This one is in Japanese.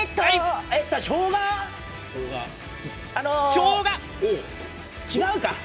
しょうが違うか？